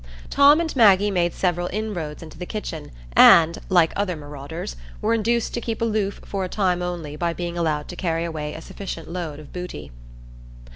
Tom and Maggie made several inroads into the kitchen, and, like other marauders, were induced to keep aloof for a time only by being allowed to carry away a sufficient load of booty.